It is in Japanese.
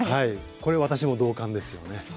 これは私も同感ですよね。